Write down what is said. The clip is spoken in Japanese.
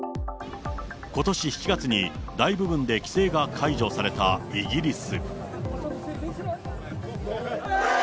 ことし７月に、大部分で規制が解除されたイギリス。